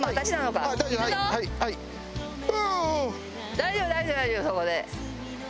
大丈夫大丈夫大丈夫そこで。